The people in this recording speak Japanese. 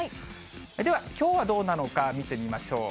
ではきょうはどうなのか見てみましょう。